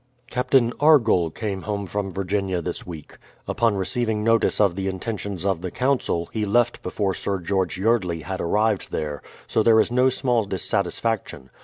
Captain Argoll came home from Virginia this week. Upon re ceiving notice of the intentions of the Council, he left before Sir George Yeardley had arrived there ; so there is no small dissatis faction.